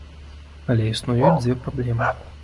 Але існуюць дзве праблемы.